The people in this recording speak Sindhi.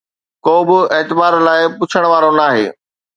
ڪو به اعتبار لاءِ پڇڻ وارو ناهي.